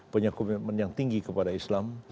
punya komitmen yang tinggi kepada islam